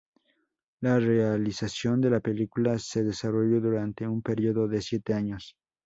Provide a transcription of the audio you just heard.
La realización de la película se desarrolló durante un periodo de siete años.